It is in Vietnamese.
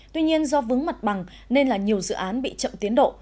tuy nhiên do vướng mặt bằng nên là nhiều dự án bị chậm tiến độ